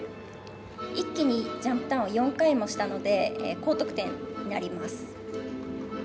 一気にジャンプターンを４回もしたので高得点になります。